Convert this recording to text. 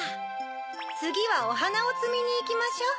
つぎはおはなをつみにいきましょう。